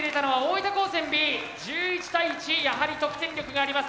１１対１やはり得点力があります。